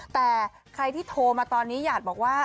แต่ใครที่โทรมาตอนนี้อยากบอกว่า